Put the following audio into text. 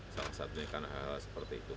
salah satunya karena hal hal seperti itu